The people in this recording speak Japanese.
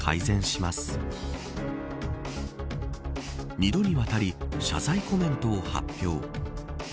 ２度にわたり謝罪コメントを発表。